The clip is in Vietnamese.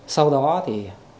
sau đó thì